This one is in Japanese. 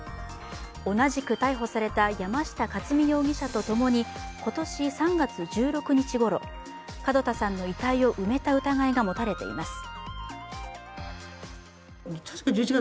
同じく逮捕された山下克己容疑者と共に今年３月１６日ごろ、門田さんの遺体を埋めた疑いが持たれています。